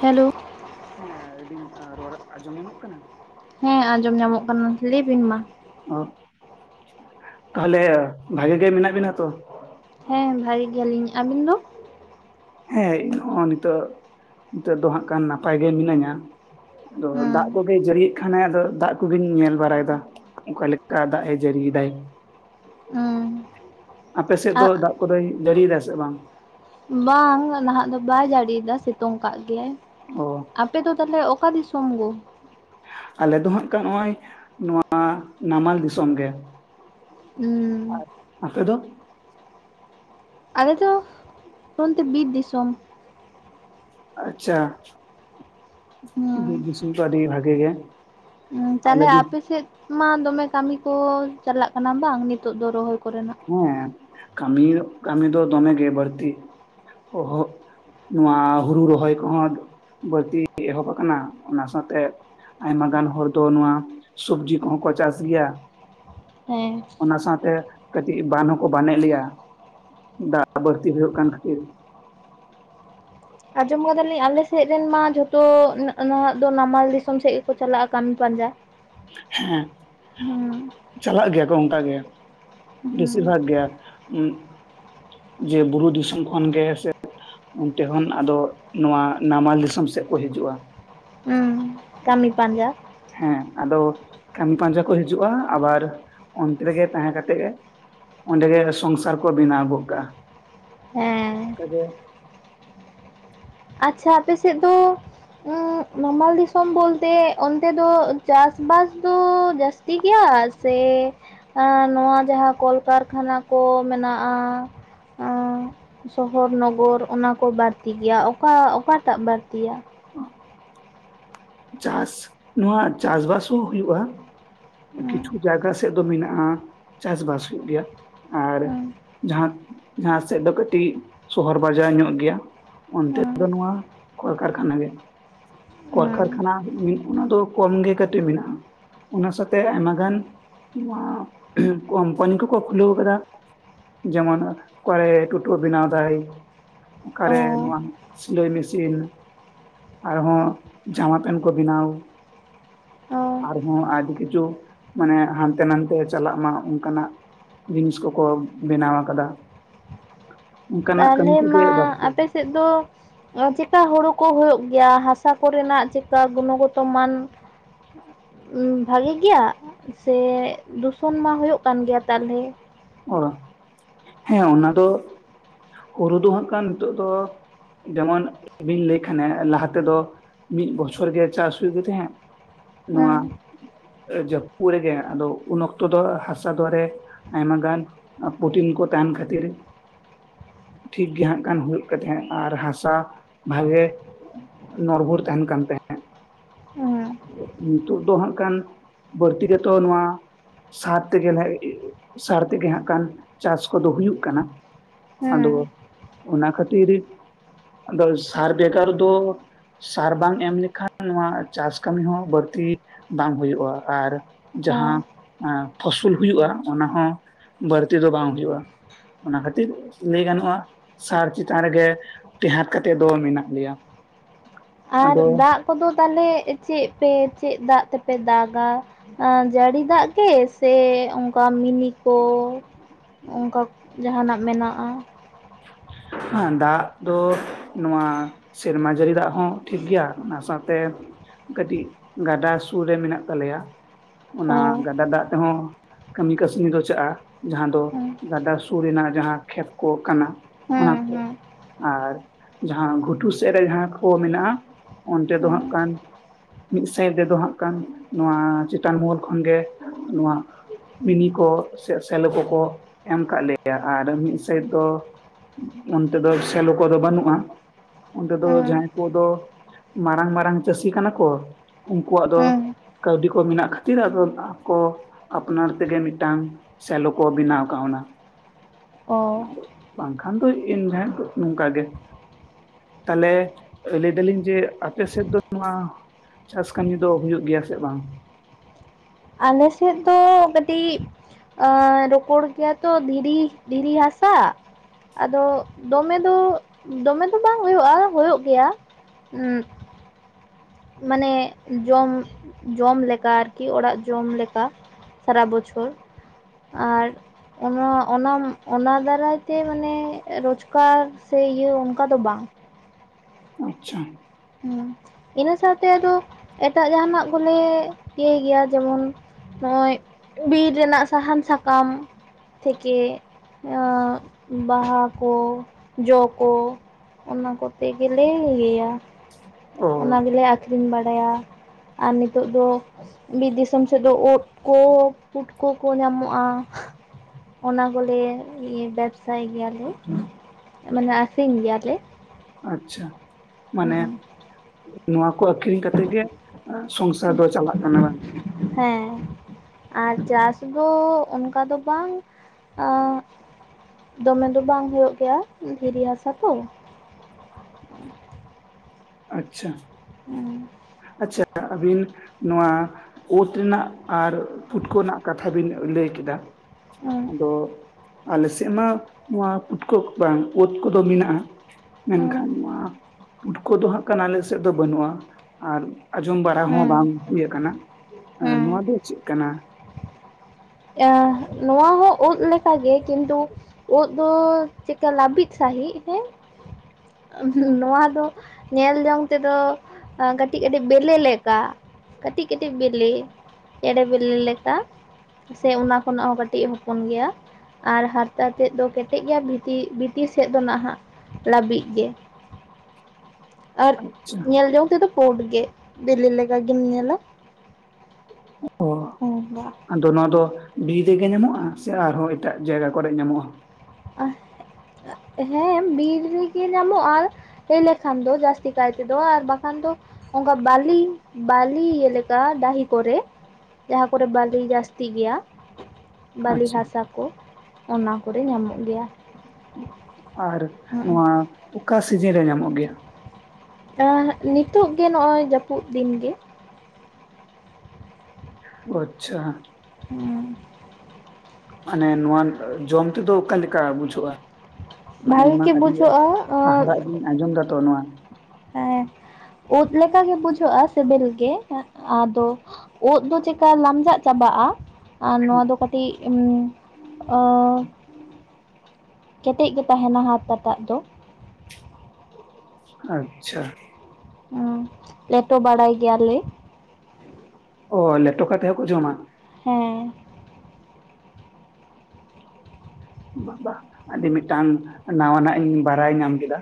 Hello. ᱦᱮᱸ ᱟᱹᱞᱤᱧᱟᱜ ᱨᱚᱲ ᱟᱸᱡᱚᱢ ᱧᱟᱢᱚᱜ ᱠᱟᱱᱟ᱾ ᱦᱮᱸ ᱟᱸᱡᱚᱢ ᱧᱟᱢᱚᱜ ᱠᱟᱱᱟ ᱞᱟᱹᱭ ᱵᱤᱱ ᱢᱟ᱾ ᱚ ᱛᱟᱦᱚᱞᱮ ᱵᱷᱟᱜᱤ ᱜᱮ ᱢᱮᱱᱟᱜ ᱵᱮᱱᱟ ᱛᱚ? ᱦᱮᱸ ᱵᱷᱟᱜᱤ ᱜᱮᱭᱟᱞᱤᱧ᱾ ᱟᱵᱤᱱ ᱫᱚ? ᱦᱮᱸ ᱤᱧ ᱦᱚᱸ ᱱᱤᱛᱚᱜ ᱱᱤᱛᱚᱜ ᱫᱚ ᱦᱟᱸᱜ ᱠᱷᱟᱱ ᱱᱟᱯᱟᱭ ᱜᱮ ᱢᱤᱱᱟᱹᱧᱟ᱾ ᱟᱫᱚ ᱫᱟᱜ ᱦᱩᱸ ᱠᱚᱜᱮ ᱡᱟᱹᱲᱤᱭᱮᱫ ᱠᱷᱟᱱᱮ ᱟᱫᱚ ᱫᱟᱜ ᱠᱚᱜᱮᱧ ᱧᱮᱞ ᱵᱟᱲᱟᱭᱮᱫᱟ᱾ ᱚᱠᱟ ᱞᱮᱠᱟ ᱫᱟᱜ-ᱮ ᱡᱟᱹᱲᱤ ᱭᱮᱫᱟ᱾ ᱦᱩᱸ᱾ ᱟᱯᱮ ᱥᱮᱫ ᱫᱚ ᱟᱜ ᱫᱟᱜ ᱠᱚᱫᱚᱭ ᱡᱟᱹᱲᱤᱭᱮᱫᱟ ᱥᱮ ᱵᱟᱝ? ᱵᱟᱝ ᱱᱟᱦᱟᱜ ᱫᱚ ᱵᱟᱭ ᱡᱟᱹᱲᱤᱭᱮᱫᱟ ᱥᱤᱛᱩᱝ ᱠᱟᱜ ᱜᱮᱭᱟᱭ᱾ ᱚ᱾ ᱟᱯᱮ ᱫᱚ ᱛᱟᱞᱦᱮ ᱚᱠᱟ ᱫᱤᱥᱚᱢ ᱜᱳ᱾ ᱟᱞᱮ ᱫᱚ ᱦᱟᱸᱜ ᱠᱷᱟᱱ ᱱᱚᱜᱼᱚᱭ ᱱᱚᱣᱟ ᱱᱟᱢᱟᱞ ᱫᱤᱥᱚᱢ ᱜᱮ᱾ ᱩᱸ᱾ ᱟᱨ ᱟᱯᱮ ᱫᱚ? ᱟᱞᱮ ᱫᱚ ᱚᱱᱛᱮ ᱵᱤᱨ ᱫᱤᱥᱚᱢ᱾ ᱟᱪᱪᱷᱟ, ᱵᱤᱨ ᱦᱩᱸ ᱫᱤᱥᱚᱢ ᱫᱚ ᱟᱹᱰᱤ ᱵᱷᱟᱜᱮ ᱜᱮ᱾ ᱩᱸ ᱟᱞᱮ ᱛᱟᱞᱦᱮ ᱫᱚ ᱟᱯᱮ ᱥᱮᱫ ᱢᱟ ᱫᱚᱢᱮ ᱠᱟᱹᱢᱤ ᱠᱚ ᱪᱟᱞᱟᱜ ᱠᱟᱱᱟ ᱵᱟᱝ ᱱᱤᱛᱚᱜ ᱫᱚ ᱨᱚᱦᱚᱭ ᱠᱚᱨᱮᱱᱟᱜ? ᱦᱮᱸ ᱠᱟᱹᱢᱤ ᱠᱟᱹᱢᱤ ᱫᱚ ᱫᱚᱢᱮ ᱜᱮ ᱵᱟᱹᱲᱛᱤ [inaudible] ᱱᱚᱣᱟ ᱦᱩᱲᱩ ᱨᱚᱦᱚᱭ ᱠᱚᱦᱚᱸ ᱵᱟᱹᱲᱛᱤ ᱮᱦᱚᱵ ᱟᱠᱟᱱᱟ ᱚᱱᱟ ᱥᱟᱶᱛᱮ ᱟᱭᱢᱟ ᱜᱟᱱ ᱦᱚᱲ ᱫᱚ ᱱᱚᱣᱟ ᱥᱚᱵᱡᱤ ᱠᱚᱦᱚᱸ ᱠᱚ ᱪᱟᱥ ᱜᱮᱭᱟ᱾ ᱦᱮᱸ᱾ ᱚᱱᱟ ᱥᱟᱶᱛᱮ ᱠᱟᱹᱴᱤᱡ ᱵᱟᱱ ᱦᱚᱸᱠᱚ ᱵᱟᱱᱮᱫ ᱞᱮᱭᱟ, ᱫᱟᱜ ᱵᱟᱹᱲᱛᱤ ᱦᱩᱭᱩᱜ ᱠᱟᱱ ᱠᱷᱟᱹᱛᱤᱨ᱾ ᱟᱸᱡᱚᱢ ᱟᱠᱟᱫᱟᱞᱤᱧ ᱟᱞᱮ ᱥᱮᱫ ᱨᱮᱱ ᱢᱟ ᱡᱷᱚᱛᱚ ᱱᱟᱜ ᱱᱟᱦᱟᱜ ᱫᱚ ᱱᱟᱢᱟᱞ ᱫᱤᱥᱚᱢ ᱥᱮᱫ ᱜᱮᱠᱚ ᱪᱟᱞᱟᱜᱼᱟ ᱠᱟᱹᱢᱤ ᱯᱟᱸᱡᱟ᱾ ᱦᱮᱸ᱾ ᱦᱩᱸ ᱪᱟᱞᱟᱜ ᱜᱮᱭᱟ ᱠᱚ ᱚᱱᱠᱟ ᱜᱮ ᱵᱮᱥᱤᱨ ᱦᱩᱸ ᱵᱷᱟᱜᱽ ᱜᱮ, ᱩᱸᱜ ᱡᱮ ᱵᱩᱨᱩ ᱫᱤᱥᱚᱢ ᱠᱷᱚᱱ ᱜᱮ ᱥᱮ ᱚᱱᱛᱮ ᱠᱷᱚᱱ ᱟᱫᱚ ᱱᱚᱣᱟ ᱱᱟᱢᱟᱞ ᱫᱤᱥᱚᱢ ᱥᱮᱫ ᱠᱚ ᱦᱤᱡᱩᱜᱼᱟ᱾ ᱦᱩᱸ ᱠᱟᱹᱢᱤ ᱯᱟᱸᱡᱟ᱾ ᱦᱮᱸ ᱟᱫᱚ ᱠᱟᱹᱢᱤ ᱯᱟᱸᱡᱟ ᱠᱚ ᱦᱤᱡᱩᱜᱼᱟ ᱟᱵᱟᱨ ᱚᱱᱛᱮ ᱨᱮᱜᱮ ᱛᱟᱦᱮᱸ ᱠᱟᱛᱮᱫ ᱜᱮ ᱚᱸᱰᱮ ᱜᱮ ᱥᱚᱝᱥᱟᱨ ᱠᱚ ᱵᱮᱱᱟᱣ ᱜᱚᱫ ᱠᱟᱜᱼᱟ᱾ ᱦᱮᱸ᱾ ᱚᱱᱠᱟᱜᱮ ᱟᱪᱪᱷᱟ ᱟᱯᱮ ᱥᱮᱫ ᱫᱚ ᱩᱸᱜ ᱱᱟᱢᱟᱞ ᱫᱤᱥᱚᱢ ᱵᱚᱞᱛᱮ ᱚᱱᱛᱮ ᱫᱚ ᱪᱟᱥ ᱵᱟᱥ ᱫᱚ ᱡᱟᱹᱥ ᱛᱤ ᱜᱮᱭᱟ ᱥᱮ ᱟᱸ ᱱᱚᱣᱟ ᱡᱟᱦᱟᱸ ᱠᱚᱞ ᱠᱟᱨᱠᱷᱟᱱᱟ ᱠᱚ ᱢᱮᱱᱟᱜᱼᱟ ᱩᱸ ᱥᱚᱦᱚᱨ ᱱᱚᱜᱚᱨ ᱚᱱᱟᱠᱚ ᱵᱟᱹᱲᱛᱤ ᱜᱮᱭᱟ ᱚᱠᱟ ᱚᱠᱟᱴᱟᱜ ᱵᱟᱹᱲᱛᱤᱭᱟ? ᱚ᱾ ᱪᱟᱥ ᱱᱚᱣᱟ ᱪᱟᱥᱵᱟᱥ ᱦᱚᱸ ᱦᱩᱭᱩᱜᱼᱟ᱾ ᱩᱸ ᱠᱤᱪᱷᱩ ᱡᱟᱭᱜᱟ ᱥᱮᱫ ᱫᱚ ᱢᱮᱱᱟᱜᱼᱟ ᱪᱟᱥᱵᱟᱥ ᱦᱩᱭᱩᱜ ᱜᱮᱭᱟ, ᱟᱨ ᱩᱸ ᱡᱟᱦᱟᱸ ᱡᱟᱦᱟᱸ ᱥᱮᱫ ᱫᱚ ᱠᱟᱹᱴᱤᱡ ᱥᱚᱦᱚᱨ ᱵᱟᱡᱟᱨ ᱧᱚᱜ ᱜᱮᱭᱟ, ᱚᱱᱛᱮ ᱨᱮ ᱫᱚ ᱩᱸ ᱱᱚᱣᱟ ᱠᱚᱞᱠᱟᱨᱠᱷᱟᱱᱟ ᱜᱮ ᱩᱸ ᱠᱚᱨᱠᱟᱨ ᱠᱷᱟᱱᱟ [inaudible] ᱚᱱᱟ ᱫᱚ ᱠᱚᱢ ᱜᱮ ᱡᱟᱹᱱᱤᱡ ᱢᱮᱱᱟᱜᱼᱟ᱾ ᱚᱱᱟ ᱥᱟᱶᱛᱮ ᱟᱭᱢᱟᱟᱜᱟᱱ ᱱᱚᱣᱟ ᱠᱚᱢᱯᱟᱱᱤ ᱠᱚᱠᱚ ᱠᱷᱩᱞᱟᱹᱣ ᱟᱠᱟᱫᱟ, ᱡᱮᱢᱚᱱ ᱚᱠᱟᱨᱮ ᱴᱳᱴᱳ ᱵᱮᱱᱟᱣ ᱮᱫᱟᱭ, ᱚ ᱚᱠᱟᱨᱮ ᱱᱚᱣᱟ ᱥᱤᱞᱟᱹᱭ ᱢᱮᱥᱤᱱ, ᱟᱨᱦᱚᱸ ᱡᱟᱢᱟ ᱯᱮᱱ ᱠᱚ ᱵᱮᱱᱟᱣ, ᱚ ᱟᱨ ᱦᱚᱸ ᱟᱹᱰᱤ ᱠᱤᱪᱷᱩ ᱢᱟᱱᱮ ᱦᱟᱱᱛᱮ ᱱᱟᱱᱛᱮ ᱪᱟᱞᱟᱜ ᱢᱟ ᱚᱱᱠᱟᱱᱟᱜ ᱡᱤᱱᱤᱥ ᱠᱚᱠᱚ ᱵᱮᱱᱟᱣ ᱟᱠᱟᱫᱟ, ᱚᱱᱠᱟᱱᱟᱜ ᱠᱟᱹᱢᱤ ᱛᱟᱦᱚᱞᱮ ᱠᱚᱜᱮ ᱵᱟᱹᱲᱛᱤ᱾ ᱥᱮᱫ ᱫᱚ ᱮᱸ ᱪᱮᱫᱠᱟ ᱦᱩᱲᱩ ᱠᱚ ᱦᱩᱭᱩᱜ ᱜᱮᱭᱟ ᱦᱟᱥᱟ ᱠᱚᱨᱮᱱᱟᱜ ᱪᱮᱫᱠᱟ ᱜᱩᱱᱚᱜᱚᱛᱚ ᱢᱟᱱ? ᱩᱸ ᱵᱷᱟᱜᱮ ᱜᱮᱭᱟ ᱥᱮ ᱫᱩᱥᱚᱱ ᱢᱟ ᱦᱩᱭᱩᱜ ᱠᱟᱱ ᱜᱮᱭᱟ ᱛᱟᱞᱦᱮ᱾ ᱚᱲᱟ, ᱦᱮᱸ ᱚᱱᱟ ᱫᱚ ᱦᱩᱨᱩ ᱫᱚ ᱦᱟᱸᱜ ᱠᱷᱟᱱ ᱱᱤᱛᱚᱜ ᱫᱚ ᱡᱮᱢᱚᱱ ᱵᱤᱱ ᱞᱟᱹᱭ ᱠᱷᱟᱱ ᱞᱟᱦᱟ ᱛᱮᱫᱚ ᱢᱤᱫ ᱵᱚᱪᱷᱚᱨ ᱜᱮ ᱪᱟᱥ ᱦᱩᱭᱩᱜ ᱛᱟᱦᱮᱸᱜ ᱾ ᱱᱚᱣᱟ ᱦᱮᱸ ᱡᱟᱹᱯᱩᱜ ᱨᱮᱜᱮ ᱟᱫᱚ ᱩᱱ ᱚᱠᱛᱚ ᱦᱟᱥᱟ ᱫᱚᱨᱮ ᱟᱭᱢᱟ ᱯᱨᱳᱴᱤᱱ ᱠᱚ ᱛᱟᱱ ᱠᱷᱟᱹᱛᱤᱨ ᱴᱷᱤᱠ ᱜᱮ ᱦᱟᱸᱜ ᱦᱩᱭᱩᱜ ᱠᱟᱱ ᱛᱟᱦᱮᱸᱫ ᱟᱨ ᱦᱟᱥᱟ ᱵᱷᱟᱜᱮ ᱱᱚᱲᱵᱷᱳᱨ ᱛᱟᱦᱮᱱ ᱠᱟᱱ ᱛᱟᱦᱮᱸᱜ ᱾ ᱦᱮᱸ ᱱᱤᱛᱚᱜ ᱫᱚ ᱦᱟᱸᱜ ᱠᱷᱟᱱ ᱵᱟᱹᱲᱛᱤ ᱜᱮᱛᱚ ᱱᱚᱣᱟ ᱥᱟᱨ ᱛᱮᱜᱮ ᱥᱟᱨ ᱛᱮᱜᱮ ᱦᱟᱸᱜ ᱪᱟᱥ ᱠᱚᱫᱚ ᱦᱩᱭᱩᱜ ᱠᱟᱱᱟ᱾ ᱟᱸᱫᱚ ᱦᱮᱸ ᱚᱱᱟ ᱠᱷᱟᱹᱛᱤᱨ ᱟᱫᱚ ᱥᱟᱨ ᱵᱷᱮᱜᱟᱨ ᱫᱚ ᱥᱟᱨ ᱵᱟᱝ ᱮᱢ ᱞᱮᱠᱷᱟᱱ ᱱᱚᱣᱟ ᱪᱟᱥ ᱠᱟᱹᱢᱤ ᱦᱚᱸ ᱵᱟᱹᱲᱛᱤ ᱵᱟᱝ ᱦᱩᱭᱩᱜᱼᱟ ᱟᱨ ᱚ ᱡᱟᱦᱟᱸ ᱮᱸ ᱯᱷᱚᱥᱚᱞ ᱦᱩᱭᱩᱜᱼᱟ ᱚᱱᱟ ᱦᱚᱸ ᱵᱟᱹᱲᱛᱤ ᱫᱚ ᱵᱟᱝ ᱦᱩᱭᱩᱜᱼᱟ᱾ ᱚᱱᱟ ᱠᱷᱟᱹᱛᱤᱨ ᱞᱟᱹᱭ ᱜᱟᱱᱚᱜᱼᱟ ᱥᱟᱨ ᱪᱮᱛᱟᱱ ᱨᱮᱜᱮ ᱴᱮᱸᱦᱴ ᱠᱟᱛᱮᱫ ᱫᱚ ᱢᱮᱱᱟᱜ ᱞᱮᱭᱟ᱾ ᱟᱨ ᱟᱫᱚ ᱫᱟᱜ ᱠᱚᱫᱚ ᱛᱟᱦᱚᱞᱮ ᱪᱮᱫ ᱯᱮ ᱪᱮᱫ ᱫᱟᱜ ᱛᱮᱯᱮ ᱫᱟᱜᱟ᱾ ᱡᱟᱹᱲᱤ ᱫᱟᱜ ᱜᱮ ᱥᱮ ᱚᱱᱠᱟ ᱢᱤᱱᱤ ᱠᱚ ᱚᱱᱠᱟ ᱡᱟᱦᱟᱸ ᱱᱟᱜ ᱢᱮᱱᱟᱜᱼᱟ᱾ ᱦᱮᱸ ᱫᱟᱜ ᱫᱚ ᱱᱚᱣᱟ ᱥᱮᱨᱢᱟ ᱡᱟᱹᱲᱤ ᱫᱟᱜ ᱦᱚᱸ ᱴᱷᱤᱠ ᱜᱮᱭᱟ ᱚᱱᱟ ᱥᱟᱶᱛᱮ ᱠᱟᱹᱴᱤᱡ ᱜᱟᱰᱟ ᱥᱩᱨ ᱨᱮ ᱢᱮᱱᱟᱜ ᱛᱟᱞᱮᱭᱟ ᱚᱱᱟ ᱚ ᱜᱟᱰᱟ ᱫᱟᱜ ᱛᱮᱦᱚᱸ ᱠᱟᱹᱢᱤ ᱠᱟᱹᱥᱱᱤ ᱫᱚ ᱪᱟᱞᱼᱟ ᱡᱟᱦᱟᱸ ᱫᱚ ᱦᱮᱸ ᱜᱟᱰᱟ ᱥᱩᱨ ᱨᱮᱱᱟᱜ ᱡᱟᱦᱟᱸ ᱠᱷᱮᱛ ᱠᱚ ᱠᱟᱱᱟ᱾ ᱦᱮᱸ ᱚᱱᱟ ᱠᱚ᱾ ᱟᱨ ᱡᱟᱦᱟᱸ ᱜᱷᱚᱴᱤ ᱥᱮᱫ ᱨᱮ ᱡᱟᱦᱟᱸ ᱠᱚ ᱢᱮᱱᱟᱜᱼᱟ ᱫᱚ ᱦᱮᱸ ᱦᱟᱸᱜ ᱠᱟᱱ ᱢᱤᱫ ᱥᱟᱭ ᱨᱮ ᱫᱚ ᱦᱟᱸᱜ ᱠᱟᱱ ᱱᱚᱣᱟ ᱪᱮᱛᱟᱱ ᱢᱚᱦᱚᱞ ᱠᱷᱚᱱᱜᱮ ᱱᱚᱣᱟ ᱢᱤᱱᱤ ᱠᱚ ᱥᱮ ᱥᱮᱞᱚ ᱠᱚᱠᱚ ᱮᱢ ᱟᱠᱟᱫ ᱞᱮᱭᱟ ᱟᱨ ᱢᱤᱫ ᱥᱟᱭᱤᱰ ᱫᱚ ᱚᱱᱛᱮ ᱫᱚ ᱥᱮᱞᱚ ᱠᱚᱫᱚ ᱵᱟᱹᱱᱩᱜᱼᱟ ᱚᱱᱛᱮ ᱫᱚ ᱦᱮᱸ ᱡᱟᱦᱟᱸᱭ ᱠᱚᱫᱚ ᱢᱟᱨᱟᱝ ᱢᱟᱨᱟᱝ ᱪᱟᱹᱥᱤ ᱠᱟᱱᱟ ᱠᱚ ᱩᱱᱠᱩᱣᱟᱜ ᱫᱚ ᱦᱮᱸ ᱠᱟᱹᱣᱰᱤ ᱠᱚ ᱢᱮᱱᱟᱜ ᱠᱷᱟᱹᱛᱤᱨ ᱟᱫᱚ ᱟᱠᱚ ᱟᱯᱱᱟᱨ ᱛᱮᱜᱮ ᱢᱤᱫ ᱴᱟᱝ ᱥᱮᱞᱚ ᱠᱚ ᱵᱮᱱᱟᱣ ᱠᱟᱣᱱᱟ᱾ ᱚ ᱟᱢ ᱫᱚ ᱤᱧ ᱡᱟᱦᱟᱸᱭ ᱱᱚᱝᱠᱟ ᱜᱮ᱾ ᱛᱟᱦᱞᱮ ᱞᱟᱹᱭ ᱫᱟᱞᱤᱧ ᱡᱮ ᱟᱯᱮ ᱥᱮᱫ ᱫᱚ ᱱᱚᱣᱟ ᱪᱟᱥ ᱠᱟᱹᱢᱤ ᱫᱚ ᱦᱳᱭᱳᱜ ᱜᱮᱭᱟ ᱥᱮ ᱵᱟᱝ? ᱟᱞᱮ ᱥᱮᱫ ᱫᱚ ᱠᱟᱹᱴᱤᱜ ᱨᱳᱠᱳᱲ ᱜᱮᱭᱟ ᱛᱚ ᱫᱷᱤᱨᱤ ᱫᱷᱤᱨᱤ ᱦᱟᱥᱟ᱾ ᱟᱫᱚ ᱫᱚᱢᱮ ᱫᱚ ᱫᱚᱢᱮ ᱫᱚ ᱵᱟᱝ ᱦᱩᱭᱩᱜᱼᱟ ᱦᱳᱭᱳᱜ ᱜᱮᱭᱟ᱾ ᱢᱟᱱᱮ ᱡᱚᱢ ᱡᱚᱢ ᱞᱮᱠᱟ ᱟᱨᱠᱤ ᱚᱲᱟᱜ ᱡᱚᱢᱮ ᱞᱮᱠᱟ᱾ ᱥᱟᱨᱟ ᱵᱚᱪᱷᱚᱨ ᱟᱨ ᱚᱱᱟ ᱚᱱᱟ ᱚᱱᱟ ᱫᱟᱨᱟᱭ ᱛᱮ ᱢᱟᱱᱮ ᱨᱚᱡᱽᱜᱟᱨ ᱥᱮ ᱤᱭᱟᱹ ᱚᱱᱠᱟ ᱫᱚ ᱵᱟᱝ᱾ ᱟᱪᱪᱷᱟ᱾ ᱦᱩᱸ ᱤᱱᱟᱹ ᱥᱟᱶᱛᱮ ᱟᱫᱚ ᱮᱴᱟᱜ ᱡᱟᱦᱟᱱᱟᱜ ᱠᱚᱞᱮ ᱤᱭᱟᱹᱭ ᱜᱮᱭᱟ ᱡᱮᱢᱚᱱ ᱱᱚᱜᱼᱚᱭ ᱵᱤᱨ ᱨᱮᱱᱟᱜ ᱥᱟᱦᱟᱱ ᱥᱟᱠᱟᱢ᱾ ᱛᱷᱮᱠᱮ ᱟᱸ ᱵᱟᱦᱟ ᱠᱚ ᱡᱚ ᱠᱚ᱾ ᱚᱱᱟ ᱠᱚᱛᱮ ᱜᱮᱞᱮ ᱤᱭᱟᱹᱭᱟ᱾ ᱚ᱾ ᱚᱱᱟ ᱜᱮᱞᱮ ᱟᱹᱠᱷᱨᱤᱧ ᱵᱟᱲᱟᱭᱟ ᱟᱨ ᱱᱤᱛᱚᱜ ᱫᱚ, ᱵᱤᱨ ᱫᱤᱥᱚᱢ ᱥᱮᱫ ᱫᱚ ᱫ ᱠᱚ ᱯᱩᱰᱠᱟᱹ ᱠᱚᱠᱚ ᱧᱟᱢᱚᱜᱼᱟ᱾ ᱚᱱᱟ ᱠᱚᱞᱮ ᱵᱮᱵᱥᱟᱭ ᱜᱮᱭᱟᱞᱮ᱾ ᱢᱟᱱᱮ ᱟᱥᱧ ᱜᱮᱭᱟᱛᱮ᱾ ᱟᱪᱷᱟ ᱢᱟᱱᱮ ᱱᱚᱣᱟ ᱠᱚ ᱟᱠᱷᱨᱤᱧ ᱠᱟᱛᱮᱜ ᱜᱮᱼᱼ ᱥᱚᱝᱥᱟᱨ ᱫᱚ ᱪᱟᱞᱟᱜ ᱠᱟᱱᱟ ᱵᱟᱝ? ᱦᱮᱸ᱾ ᱟᱨ ᱪᱟᱥ ᱫᱚ ᱚᱱᱠᱟ ᱫᱚ ᱵᱟᱝ ᱟ᱾ ᱫᱚᱢᱮ ᱵᱟᱝ ᱦᱩᱭᱩᱜ ᱫᱷᱤᱨᱤ ᱦᱟᱥᱟ ᱛᱚ᱾ ᱟᱪᱷᱟ ᱦᱩᱸ ᱟᱪᱷᱟ ᱟᱹᱵᱤᱱ ᱱᱚᱣᱟ ᱠᱳᱴ ᱨᱮᱱᱟᱜ ᱟᱨ ᱯᱩᱴᱠᱟᱹᱣ ᱨᱮᱱᱟᱜ ᱠᱟᱛᱷᱟ ᱵᱮᱤᱱ ᱞᱟᱹᱭ ᱠᱮᱫᱟ ᱦᱩᱸ ᱟᱫᱚ᱾ ᱟᱞᱮ ᱥᱮᱫ ᱢᱟ ᱱᱚᱣᱟ ᱯᱩᱴᱠᱟᱹ ᱵᱟᱝ ᱚᱛ ᱠᱚᱫᱚ ᱢᱮᱱᱟᱜᱼᱟ ᱦᱩᱸ ᱢᱮᱱᱠᱷᱟᱱ ᱱᱚᱣᱟ ᱠᱚ ᱫᱚ ᱦᱟᱜ ᱠᱟᱱᱟ ᱟᱞᱮ ᱥᱮᱫ ᱫᱚ ᱵᱟᱹᱱᱩᱜᱼᱟ ᱟᱨ, ᱟᱸᱡᱚᱢ ᱵᱟᱲᱟ ᱦᱚᱸ ᱵᱟᱝ ᱦᱩᱭ ᱟᱠᱟᱱᱟ ᱱᱚᱣᱟ ᱦᱩᱸ ᱫᱚ ᱪᱮᱫ ᱠᱟᱱᱟ? ᱱᱚᱣᱟ ᱦᱚᱸ ᱩᱫ ᱞᱮᱠᱟᱜᱮ ᱠᱤᱱᱛᱩ᱾ ᱩᱫ ᱫᱚ ᱪᱤᱠᱟᱹ ᱞᱟᱹᱵᱤᱫ ᱥᱟᱺᱦᱤᱡ ᱦᱮᱸ᱾ ᱱᱚᱣᱟ ᱫᱚ ᱧᱮᱞ ᱡᱚᱝ ᱛᱮᱫᱚ, ᱠᱟᱹᱴᱤᱡ ᱠᱟᱹᱴᱤᱡ ᱵᱮᱞᱤ ᱞᱮᱠᱟ ᱠᱟᱹᱴᱤᱡ ᱠᱟᱹᱴᱤᱡ ᱵᱮᱤᱞᱤ ᱪᱮᱬᱮ ᱵᱮᱞᱮ ᱞᱮᱠᱟ᱾ ᱥᱮ ᱚᱱᱟ ᱠᱷᱚᱱᱟᱜ ᱦᱚᱸ ᱠᱟᱹᱴᱤᱡ ᱦᱚᱯᱚᱱ ᱜᱮᱭᱟ᱾ ᱟᱨ ᱦᱟᱨᱛᱟ ᱛᱮᱫ ᱫᱚ ᱠᱮᱴᱮᱡ ᱜᱮᱭᱟ ᱵᱤᱛᱤ ᱥᱮᱫ ᱫᱚ ᱱᱟᱦᱟᱜ ᱞᱟᱹᱵᱤᱫ ᱜᱮ᱾ [unintelligible] ᱟᱨ ᱟᱪᱪᱷᱟ ᱧᱮᱞ ᱡᱚᱝ ᱛᱮᱫᱚ ᱯᱳᱨᱴ ᱜᱮ ᱫᱤᱞᱤ ᱞᱮᱠᱟ ᱜᱮᱮᱢ ᱧᱮᱞᱟ᱾ ᱚ ᱟᱫᱚ ᱱᱚᱣᱟ ᱫᱚ ᱵᱤᱨ ᱨᱮᱜᱮ ᱧᱟᱢᱚᱜᱼᱟ ᱥᱮ ᱟᱨᱦᱚᱸ ᱮᱴᱟᱜ ᱡᱟᱭᱜᱟ ᱠᱚᱨᱮ ᱧᱟᱢᱚᱜᱼᱟ? ᱦᱮᱸ ᱵᱤᱨ ᱨᱮᱜᱮ ᱧᱟᱢᱚᱜᱼᱟ᱾ ᱞᱮᱠᱷᱟᱱ ᱫᱚ ᱡᱟᱹᱥᱛᱤ ᱠᱟᱭ ᱛᱮᱫᱚ ᱟᱨ ᱵᱟᱠᱷᱟᱱ ᱫᱚ ᱚᱱᱠᱟ ᱵᱟᱞᱤ ᱵᱟᱞᱤ ᱮᱠᱟ ᱰᱟᱹᱦᱤ ᱠᱚᱨᱮ᱾ ᱡᱟᱦᱟᱸ ᱠᱚᱨᱮ ᱵᱟᱹᱞᱤ ᱡᱟᱹᱥᱛᱤ ᱜᱮᱭᱟ᱾ ᱵᱟᱟᱹᱞᱤ ᱟᱪᱪᱷᱟ ᱦᱟᱥᱟ ᱠᱚ ᱚᱱᱟ ᱠᱚᱨᱮ ᱧᱟᱢᱚᱜ ᱜᱮᱭᱟ᱾ ᱟᱨ ᱱᱚᱣᱟ ᱚᱠᱟ ᱥᱤᱡᱤᱱ ᱨᱮ ᱧᱟᱢᱚᱜ ᱜᱮᱭᱟ᱾ ᱱᱤᱛᱚᱜ ᱜᱮ ᱱᱚᱜᱼᱚᱭ ᱡᱟᱹᱯᱩᱫ ᱫᱤᱱ ᱜᱮ᱾ ᱟᱪᱷᱟ᱾ ᱦᱩᱸ᱾ ᱢᱟᱱᱮ ᱱᱚᱣᱟ ᱡᱚᱢ ᱛᱮᱫᱚ ᱚᱠᱟᱞᱮᱠᱟ ᱵᱩᱡᱷᱟᱹᱜᱼᱟ᱾ ᱢᱟᱱᱮ ᱵᱷᱟᱜᱮ ᱤᱧ ᱜᱮ ᱟᱹᱰᱤ ᱵᱩᱡᱷᱟᱹᱜᱼᱟ ᱦᱟᱦᱟᱲᱟᱜ ᱜᱤᱧ ᱟᱸᱡᱚᱢ ᱫᱟᱛᱚ ᱱᱚᱣᱟ᱾ ᱦᱮᱸ ᱩᱫ ᱞᱮᱠᱟᱜᱮ ᱵᱩᱡᱷᱟᱹᱜᱼᱟ ᱥᱤᱵᱤᱞ ᱜᱮ ᱟᱫᱚ ᱚᱛ ᱫᱚ ᱪᱮᱠᱟ ᱞᱟᱢᱡᱟᱜ ᱪᱟᱵᱟᱜᱼᱟ᱾ ᱟᱨ ᱱᱚᱣᱟ ᱫᱚ ᱠᱟᱹᱴᱤᱡ ᱠᱮᱴᱮᱡ ᱜᱮ ᱛᱟᱦᱮᱱᱟ ᱦᱟᱛᱛᱟᱛᱟᱜ ᱫᱚ᱾ ᱟᱪᱷᱟ᱾ ᱦᱩᱸ ᱞᱮᱴᱚ ᱵᱟᱲᱟᱭ ᱜᱮᱭᱟᱞᱮ᱾ ᱚ ᱞᱮᱯᱴᱚ ᱠᱟᱛᱮᱫ ᱦᱚᱸᱠᱚ ᱡᱚᱢᱟ᱾ ᱦᱮᱸ᱾ ᱟᱹᱰᱤ ᱢᱤᱫᱴᱟᱝ ᱱᱟᱣᱟᱱᱟᱜ ᱤᱧ ᱵᱟᱲᱟᱭ ᱧᱟᱢ ᱠᱮᱫᱟ᱾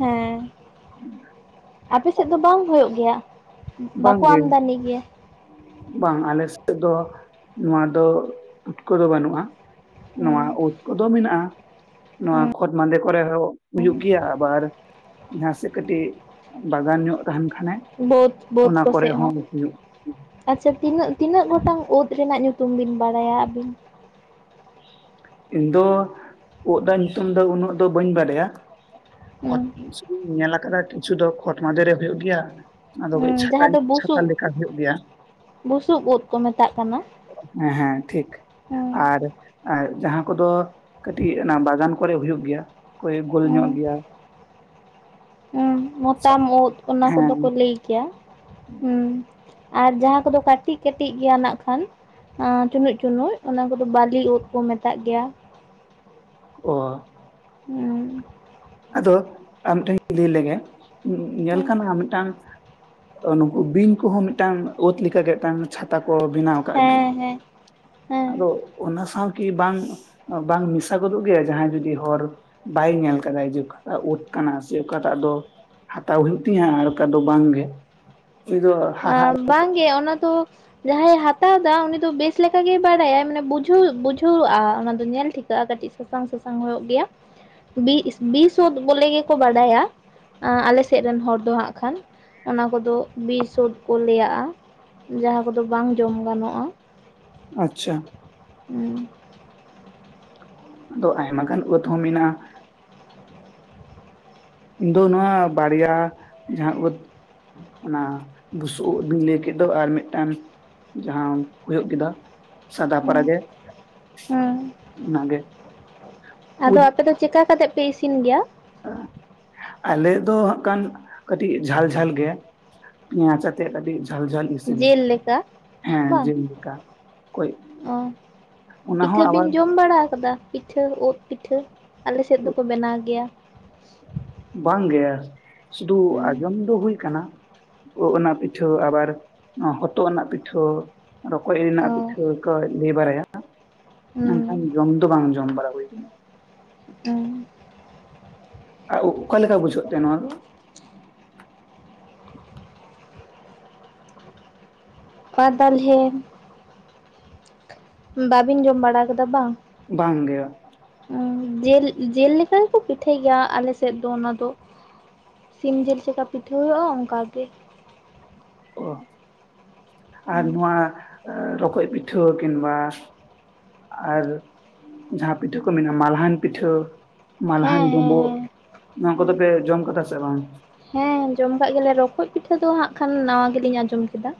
ᱦᱮᱸ᱾ ᱟᱯᱮᱥᱮᱫ ᱫᱚ ᱵᱟᱝ ᱦᱚᱭᱳᱜ ᱜᱮᱭᱟ? ᱵᱟᱠᱚ ᱵᱟᱝᱜᱮ ᱟᱢᱫᱟᱱᱤ ᱜᱮᱭᱟ᱾ ᱵᱟᱝ ᱟᱞᱮ ᱥᱮᱫ ᱫᱚ ᱱᱚᱣᱟ ᱫᱚ ᱯᱩᱴᱠᱟᱹ ᱫᱚ ᱵᱟᱹᱱᱩᱜ-ᱟ, ᱱᱚᱣᱟ ᱦᱩᱸ ᱳᱫ᱾ ᱠᱚᱫᱚ ᱢᱮᱱᱟᱜᱼᱟ᱾ ᱱᱚᱣᱟ ᱠᱷᱚᱛ ᱢᱟᱸᱫᱮ ᱠᱚᱨᱮ ᱦᱚᱸ ᱦᱩᱭᱩᱜ ᱜᱮᱭᱟ, ᱟᱵᱟᱨ ᱡᱟᱦᱟᱸᱥᱮᱫ ᱠᱟᱹᱴᱤᱡ ᱵᱟᱜᱟᱱ ᱧᱚᱜ ᱛᱟᱦᱮᱸᱱ ᱠᱷᱟᱱᱮ ᱵᱟᱹᱫᱽ ᱵᱟᱹᱫᱽ ᱚᱱᱟ ᱠᱚᱨᱮ ᱠᱚᱥᱮᱜ ᱦᱚᱸ᱾ ᱦᱩᱭᱩᱜ ᱟᱪᱪᱷᱟ ᱛᱤᱱᱟᱹᱜ ᱛᱤᱱᱟᱹᱜ ᱜᱚᱴᱟᱝ ᱳᱫᱽ ᱨᱮᱱᱟᱜ ᱧᱩᱛᱩᱢ ᱵᱤᱱ ᱵᱟᱲᱟᱭᱟ ᱟᱹᱵᱤᱱ? ᱤᱧ ᱫᱚ ᱳᱫᱽ ᱨᱮᱱᱟᱜ ᱧᱩᱛᱩᱢ ᱫᱚ ᱩᱱᱟᱹᱜ ᱫᱚ ᱵᱟᱹᱧ ᱵᱟᱰᱟᱭᱟ᱾ ᱦᱩᱸ ᱠᱷᱚᱛ ᱥᱩᱫᱩᱧ ᱧᱮᱞ ᱟᱠᱟᱫᱟ ᱠᱤᱪᱷᱩ ᱫᱚ ᱠᱷᱚᱛ ᱢᱟᱫᱷᱮ ᱨᱮ ᱦᱚᱭᱳᱜ ᱜᱮᱭᱟ᱾ ᱟᱫᱚ ᱠᱟᱹᱡ ᱦᱩᱸ ᱡᱟᱦᱟᱸ ᱪᱷᱟᱴᱟᱧ ᱫᱚ ᱪᱷᱟᱛᱟ ᱵᱩᱥᱩᱵ ᱞᱮᱠᱟ ᱦᱚᱭᱳᱜ ᱜᱮᱭᱟ᱾ ᱵᱩᱥᱩᱵ ᱩᱫ ᱠᱚ ᱢᱮᱛᱟᱜ ᱠᱟᱱᱟ ᱦᱮᱸ ᱦᱮᱸ ᱴᱷᱤᱠ ᱦᱩᱸ ᱟᱨ ᱟᱭ ᱡᱟᱦᱟᱸ ᱠᱚᱫᱚ ᱠᱟᱹᱴᱤᱡ ᱚᱱᱟ ᱵᱟᱜᱟᱱ ᱠᱚᱨᱮᱜ ᱦᱩᱭᱩᱜ ᱜᱮᱭᱟ᱾ ᱚᱠᱚᱭ ᱜᱳᱞ ᱧᱚᱜ ᱦᱩᱸ᱾ ᱜᱮᱭᱟ ᱦᱩᱸ ᱢᱚᱛᱟᱢ ᱳᱫᱽ ᱚᱱᱟ ᱠᱚᱫᱚ ᱦᱮᱸ ᱠᱚ ᱞᱟᱹᱭ ᱜᱮᱭᱟ᱾ ᱦᱩᱸ, ᱟᱨ ᱡᱟᱦᱟᱸ ᱠᱚᱫᱚ ᱠᱟᱹᱴᱤᱡ ᱠᱟᱹᱴᱤᱡ ᱜᱮᱭᱟ ᱱᱟᱜ ᱠᱷᱟᱱ᱾ ᱟᱸ ᱪᱩᱱᱩᱡ ᱪᱩᱱᱩᱡ, ᱚᱱᱟ ᱠᱚᱫᱚ ᱵᱟᱹᱞᱤ ᱳᱫᱽ ᱠᱚ ᱢᱮᱛᱟᱜ ᱜᱮᱭᱟ᱾ ᱚ᱾ ᱦᱩᱸ᱾ ᱟᱫᱚ ᱟᱨ ᱢᱤᱫᱴᱮᱱ ᱤᱧ ᱠᱩᱞᱤ ᱞᱮᱜᱮ᱾ ᱧᱮᱞ ᱠᱟᱱ ᱦᱟᱸ ᱢᱤᱫᱴᱟᱝ ᱚ ᱱᱩᱠᱩ ᱵᱤᱧ ᱠᱚᱦᱚᱸ ᱢᱤᱫᱴᱟᱝ ᱳᱫᱽ ᱞᱮᱠᱟ ᱜᱮ ᱢᱤᱫᱴᱟᱝ ᱪᱷᱟᱛᱟ ᱠᱚ ᱵᱮᱱᱟᱣ ᱠᱟᱜ ᱜᱮ ᱦᱮᱸ ᱦᱮᱸ ᱦᱮᱸ ᱟᱫᱚ ᱚᱱᱟ ᱥᱟᱣ ᱠᱤ ᱵᱟᱝ ᱵᱟᱝ ᱢᱮᱥᱟ ᱜᱚᱫᱚᱜ ᱜᱮᱭᱟ ᱡᱟᱦᱟᱸᱭ ᱡᱩᱫᱤ ᱦᱚᱨ ᱵᱟᱭ ᱧᱮᱞ ᱠᱟᱫᱟᱭ ᱡᱮ ᱚᱠᱟᱴᱟᱜ ᱳᱫᱽ ᱠᱟᱱᱟ ᱥᱮ ᱚᱠᱟᱴᱟᱜ ᱫᱚ ᱦᱟᱛᱟᱣ ᱦᱩᱭᱩᱜ ᱛᱤᱧᱟ ᱟᱨ ᱚᱠᱟ ᱫᱚ ᱵᱟᱝ ᱜᱮ᱾ ᱤᱧ ᱫᱚ ᱦᱟᱦᱟ ᱵᱟᱝ ᱜᱮ ᱚᱱᱟ ᱫᱚ ᱡᱟᱦᱟᱸᱭᱮ ᱦᱟᱛᱟᱣᱫᱟ ᱩᱱᱤ ᱫᱚ ᱵᱮᱥ ᱞᱮᱠᱟᱜᱮᱭ ᱵᱟᱰᱟᱭᱟᱭ ᱢᱟᱱᱮ ᱵᱩᱡᱷᱟᱹᱣ ᱵᱩᱡᱷᱟᱹᱣᱼᱟ ᱚᱱᱟ ᱫᱚ ᱧᱮᱞ ᱴᱷᱤᱠ ᱠᱟᱜ-ᱟ ᱠᱟᱹᱴᱤᱡ ᱥᱟᱥᱟᱝ ᱥᱟᱥᱟᱝ ᱦᱳᱭᱳᱜ ᱜᱮᱭᱟ᱾ ᱵᱤᱥ ᱵᱤᱥᱳᱫ ᱵᱚᱞᱮ ᱜᱮᱠᱚ ᱵᱟᱰᱟᱭᱟ᱾ ᱟᱸ ᱟᱞᱮᱥᱮᱫ ᱨᱮᱱ ᱦᱚᱲ ᱫᱚ ᱦᱟᱸᱜ ᱠᱷᱟᱱ᱾ ᱚᱱᱟ ᱠᱚᱫᱚ ᱵᱤᱥ ᱪᱳᱫ ᱠᱚ ᱞᱟᱹᱭᱟᱜᱼᱟ᱾ ᱡᱟᱦᱟᱸ ᱠᱚᱫᱚ ᱵᱟᱝ ᱡᱚᱢ ᱜᱟᱱᱚᱜᱼᱟ᱾ ᱟᱪᱪᱷᱟ᱾ ᱦᱩᱸ᱾ ᱟᱫᱚ ᱟᱭᱢᱟ ᱜᱟᱱ ᱳᱫᱽ ᱦᱚᱸ ᱢᱮᱱᱟᱜᱼᱟ᱾ ᱤᱧ ᱫᱚ ᱱᱚᱣᱟ ᱵᱟᱨᱭᱟ ᱡᱟᱦᱟᱸ ᱳᱫᱽ ᱚᱱᱟ ᱵᱩᱥᱩᱵ ᱳᱫᱽ ᱵᱤᱱ ᱞᱟᱹᱭ ᱠᱮᱫ ᱫᱚ ᱟᱨ ᱢᱤᱫᱴᱟᱱ ᱡᱟᱦᱟᱸ ᱦᱳᱭᱳᱜ ᱠᱮᱫᱟ᱾ ᱥᱟᱫᱟ ᱯᱟᱨᱟ ᱦᱩᱸ ᱜᱮ, ᱦᱩᱸ ᱚᱱᱟ ᱜᱮ᱾ ᱟᱫᱚ ᱟᱯᱮ ᱫᱚ ᱪᱮᱠᱟ ᱠᱟᱛᱮᱜ ᱯᱮ ᱤᱥᱤᱱ ᱜᱮᱭᱟ? ᱟ ᱟᱞᱮ ᱫᱚ ᱦᱟᱸᱜ ᱠᱷᱟᱱ ᱠᱟᱹᱴᱤᱡ ᱡᱷᱟᱞ ᱡᱷᱟᱞ ᱜᱮ᱾ ᱯᱮᱸᱭᱟᱡ ᱟᱛᱮ ᱠᱟᱹᱴᱤᱡ ᱡᱷᱟᱞ ᱡᱷᱟᱞ ᱤᱥᱤᱱ᱾ ᱡᱮᱞ ᱞᱮᱠᱟ ᱦᱮᱸ ᱵᱟᱝ ᱡᱮᱞ ᱫᱟᱠᱟ ᱠᱚᱡ ᱚ ᱚᱱᱟ ᱦᱚᱸ ᱯᱤᱴᱷᱟᱹ ᱵᱤᱱ ᱟᱵᱟᱨ ᱡᱚᱢ ᱵᱟᱲᱟ ᱟᱠᱟᱫᱟ? ᱯᱤᱴᱷᱟᱹ ᱳᱫᱽ ᱯᱤᱴᱷᱟᱹ ᱟᱞᱮ ᱥᱮᱫ ᱫᱚᱠᱚ ᱵᱮᱱᱟᱣ ᱜᱮᱭᱟ᱾ ᱵᱟᱝ ᱜᱮ, ᱥᱩᱫᱩ ᱦᱩᱸ ᱟᱸᱡᱚᱢ ᱫᱚ ᱦᱩᱭ ᱠᱟᱱᱟ ᱳᱫᱽ ᱚᱱᱟ ᱯᱤᱴᱷᱟᱹ ᱟᱵᱟᱨ ᱦᱚᱛᱚᱜ ᱨᱮᱱᱟᱜ ᱯᱤᱴᱷᱟᱹ, ᱨᱚᱠᱚᱡᱽ ᱨᱮᱱᱟᱜ ᱚ ᱯᱤᱴᱷᱟᱹ ᱠᱚ ᱞᱟᱹᱭ ᱵᱟᱲᱟᱭᱟ᱾ ᱢᱮᱱᱠᱷᱟᱱ ᱦᱩᱸ ᱡᱚᱢ ᱫᱚ ᱵᱟᱝ ᱡᱚᱢ ᱵᱟᱲᱟ ᱦᱩᱭ ᱟᱠᱟᱱᱟ᱾ ᱚ᱾ ᱟᱨ ᱚᱠᱟ ᱞᱮᱠᱟ ᱵᱩᱡᱷᱟᱹᱣ ᱛᱮ ᱱᱚᱣᱟ ᱫᱚ? ᱯᱟ ᱛᱟᱞᱦᱮ ᱵᱟᱵᱤᱱ ᱡᱚᱢ ᱵᱟᱲᱟ ᱠᱟᱫᱟ ᱵᱟᱝ᱾ ᱵᱟᱝ ᱜᱮ᱾ ᱡᱮᱞ ᱡᱮᱞ ᱞᱮᱠᱟ ᱜᱮᱠᱚ ᱯᱤᱴᱷᱟᱹᱭ ᱜᱮᱭᱟ ᱟᱞᱮ ᱥᱮᱫ ᱫᱚ ᱚᱱᱟ ᱫᱚ᱾ ᱥᱤᱢ ᱡᱮᱞ ᱪᱮᱫ ᱠᱮᱠᱟ ᱯᱤᱴᱷᱟᱹ ᱦᱳᱭᱳᱜ-ᱟ ᱚᱝᱠᱟ ᱜᱮ᱾ ᱚ ᱟᱨ ᱱᱚᱶᱟ ᱨᱚᱠᱚᱡ ᱯᱤᱴᱷᱟᱹ ᱠᱤᱱ ᱵᱟ ᱟᱨ ᱡᱟᱦᱟ ᱯᱤᱴᱷᱟᱹ ᱠᱚ ᱢᱮᱱᱟᱜ-ᱟ ᱢᱟᱞᱦᱟᱱ ᱯᱤᱴᱷᱟᱹ᱾ ᱢᱟᱞᱦᱟᱱ ᱦᱮᱸ ᱰᱳᱸᱵᱳᱜ ᱦᱮᱸ ᱱᱚᱣᱟ ᱦᱮᱸ ᱠᱚᱫᱚ ᱯᱮ ᱡᱚᱢ ᱠᱟᱫᱟ ᱥᱮ ᱵᱟᱝ? ᱦᱮᱸ ᱡᱚᱢ ᱠᱟᱜ ᱜᱮᱭᱟ ᱞᱮ ᱨᱚᱠᱚᱡ ᱯᱤᱴᱷᱟᱹ ᱫᱚ ᱦᱟᱸᱜ ᱠᱷᱟᱱ ᱱᱟᱣᱟ ᱜᱮ ᱞᱤᱧ ᱟᱸᱡᱚᱢ ᱠᱮᱫᱟ᱾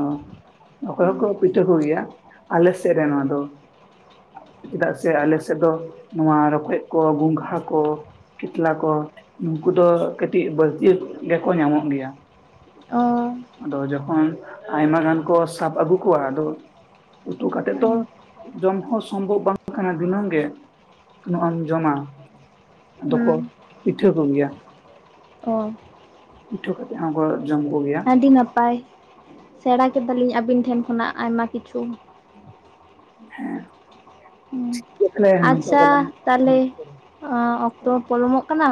ᱚ ᱨᱚᱠᱚᱡ ᱦᱚᱸᱠᱚ ᱯᱤᱴᱷᱟᱹ ᱠᱚ ᱜᱮᱭᱟ ᱟᱞᱮ ᱥᱮᱫ ᱨᱮ ᱱᱚᱣᱟ ᱫᱚ᱾ ᱪᱮᱫᱟᱜ ᱥᱮ ᱟᱞᱮ ᱥᱮᱫ ᱫᱚ ᱱᱚᱣᱟ ᱨᱚᱠᱚᱡ ᱠᱚ ᱜᱚᱸᱝᱜᱷᱟ ᱠᱚ᱾ ᱠᱤᱛᱞᱟ ᱠᱚ ᱱᱩᱠᱩ ᱫᱚ ᱠᱟᱹᱴᱤᱡ ᱵᱟᱹᱲᱛᱤ ᱜᱮᱠᱚ ᱧᱟᱢᱚᱜ ᱜᱮᱭᱟ᱾ ᱚ ᱟᱫᱚ ᱡᱚᱠᱷᱚᱱ ᱟᱭᱢᱟ ᱜᱟᱱ ᱠᱚ ᱥᱟᱵ ᱟᱹᱜᱩ ᱠᱚᱣᱟ ᱟᱫᱚ ᱩᱛᱩ ᱠᱟᱛᱮᱫ ᱛᱚ ᱦᱩᱸ ᱡᱚᱢ ᱦᱚᱸ ᱥᱚᱢᱵᱷᱚᱵ ᱵᱟᱝ ᱠᱟᱱᱟ ᱫᱤᱱᱟᱹᱢ ᱜᱮ ᱛᱤᱱᱟᱹᱜ ᱮᱢ ᱡᱚᱢᱟ? ᱫᱚᱠᱚ ᱦᱩᱸ ᱯᱤᱴᱷᱟᱹ ᱠᱚ ᱜᱮᱭᱟ᱾ ᱚ ᱯᱤᱴᱷᱟᱹ ᱠᱟᱛᱮᱜ ᱟᱵᱟᱨ ᱡᱚᱢ ᱠᱚ ᱜᱮᱭᱟ᱾ ᱟᱹᱰᱤ ᱱᱟᱯᱟᱭ ᱥᱮᱲᱟ ᱠᱮᱫᱟ ᱞᱤᱧ ᱟᱹᱵᱤᱱ ᱴᱷᱮᱱ ᱠᱷᱚᱱᱟᱜ ᱟᱭᱢᱟ ᱠᱤᱪᱷᱩ᱾ ᱦᱮᱸ ᱦᱩᱸ ᱱᱤᱛᱳᱜ ᱛᱷᱟᱞᱮ ᱱᱚᱝᱠᱟ ᱜᱮᱞᱟᱝ ᱜᱚᱞᱯᱷᱚᱭᱟ᱾ ᱚᱸᱻ ᱚᱠᱛᱚ ᱯᱚᱞᱚᱢᱚᱜ ᱠᱟᱱᱟ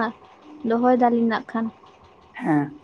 ᱫᱚᱦᱚᱭ ᱫᱟᱹᱞᱤᱧ ᱱᱟᱜ ᱠᱷᱟᱱ᱾ ᱦᱮᱸ᱾